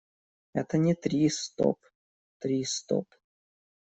Это не «три – стоп», «три – стоп».